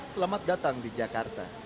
selamat datang di jakarta